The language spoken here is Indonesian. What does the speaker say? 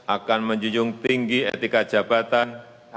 akan menjunjung tinggi etika jabatan